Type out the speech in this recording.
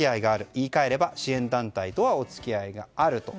言い換えれば支援団体とお付き合いがあると。